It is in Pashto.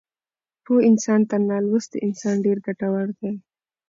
پوه انسان تر نالوستي انسان ډېر ګټور دی.